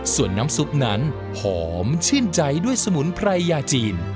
ส่วนน้ำซุปนั้นหอมชื่นใจด้วยสมุนไพรยาจีน